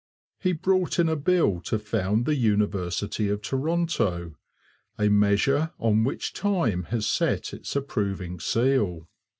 He brought in a bill to found the University of Toronto, a measure on which time has set its approving seal.